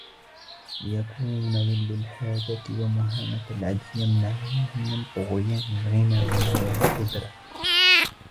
لِيَكُونَ ذُلُّ الْحَاجَةِ وَمُهَانَةُ الْعَجْزِ يَمْنَعَانِهِ مِنْ طُغْيَانِ الْغِنَى وَبَغْيِ الْقُدْرَةِ